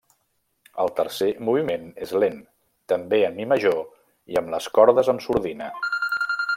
El tercer moviment és lent, també en mi major i amb les cordes amb sordina.